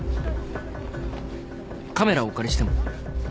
カメラお借りしても？